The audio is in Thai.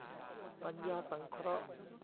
ปัญญาสังเคราะห์